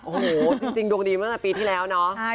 โอ้โหจริงดวงดีมาตั้งแต่ปีที่แล้วเนาะ